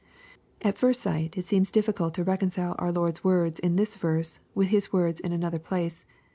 At first sight, it seems difficult to reconcile our Lord's words lu this verse with His words in another place.